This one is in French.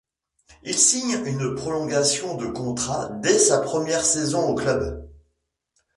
Il signe une prolongation de contrat dès sa première saison au club.